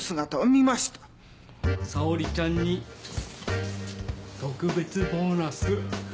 沙織ちゃんに特別ボーナス。